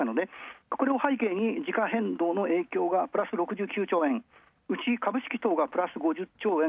これを背景に時価変動の影響がうち株式等がプラス５０兆円。